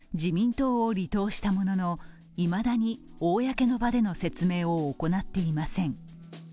先週金曜日の夜、自民党を離党したもののいまだに公の場での説明を行っていません。